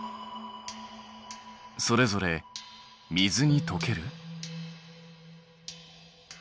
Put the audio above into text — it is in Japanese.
それぞれ水にとける？